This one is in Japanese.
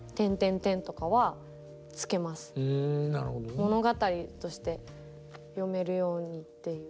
物語として読めるようにっていう。